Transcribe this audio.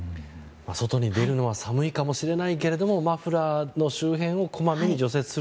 外に出るのは寒いかもしれないけどもマフラーの周辺をこまめに除雪する